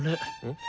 ん？